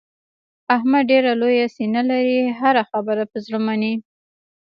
احمد ډېره لویه سینه لري. هره خبره په زړه مني.